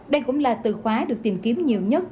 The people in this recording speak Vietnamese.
đây cũng là từ khóa được tìm kiếm nhiều nhất